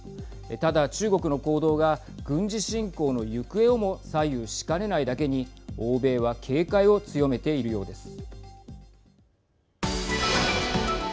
ただ、中国の行動が軍事侵攻の行方をも左右しかねないだけに欧米は警戒を強めているようです。